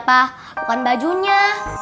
pa bukan bajunya